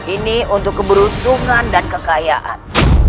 ini untuk keberuntungan dan kekayaan